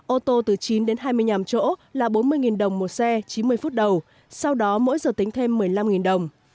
ô tô từ chín đến hai mươi năm chỗ là bốn mươi đồng một xe chín mươi phút đầu sau đó mỗi giờ tính thêm một mươi năm đồng